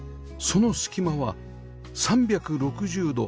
その隙間は３６０度